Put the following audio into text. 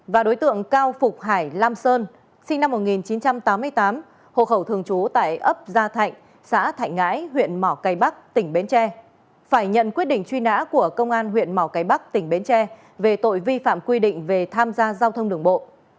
và đối tượng cao phục hải lam sơn sinh năm một nghìn chín trăm tám mươi tám hộ khẩu thường trú tại ấp gia thạnh xã thạnh ngãi huyện mỏ cây bắc tỉnh bến tre phải nhận quyết định truy nã của công an huyện mỏ cây bắc tỉnh bến tre về tội vi phạm quy định về tham gia giao thông đường bộ